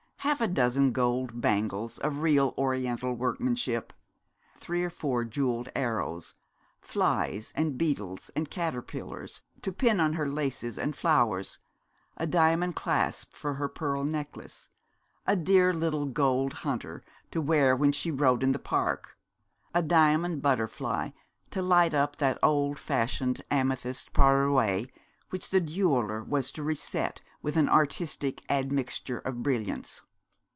Half a dozen gold bangles of real oriental workmanship, three or four jewelled arrows, flies and beetles, and caterpillars, to pin on her laces and flowers, a diamond clasp for her pearl necklace, a dear little gold hunter to wear when she rode in the park, a diamond butterfly to light up that old fashioned amethyst parure which the jeweller was to reset with an artistic admixture of brilliants.